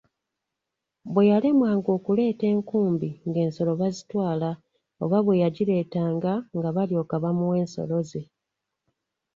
Bwe yalemwanga okuleeta enkumbi ng’ensolo bazitwala oba bwe yagireetanga nga balyoka bamuwa ensolo ye.